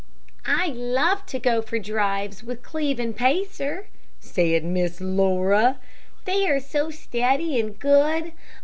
"I love to go for drives with Cleve and Pacer," said Miss Laura, "they are so steady and good.